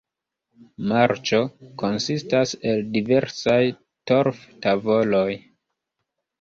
Marĉo konsistas el diversaj torf-tavoloj.